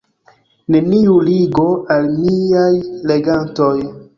Neniu ligo al miaj legantoj.